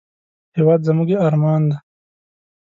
هېواد زموږ ارمان دی